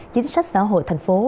chính sách xã hội thành phố